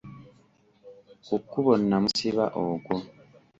Ku kkubo namusiba okwo.